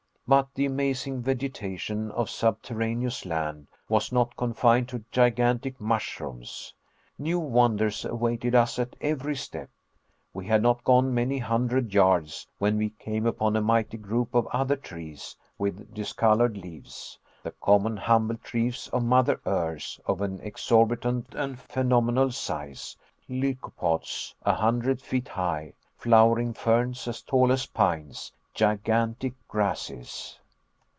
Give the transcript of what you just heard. But the amazing vegetation of subterraneous land was not confined to gigantic mushrooms. New wonders awaited us at every step. We had not gone many hundred yards, when we came upon a mighty group of other trees with discolored leaves the common humble trees of Mother Earth, of an exorbitant and phenomenal size: lycopods a hundred feet high; flowering ferns as tall as pines; gigantic grasses!